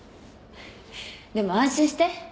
でも安心して。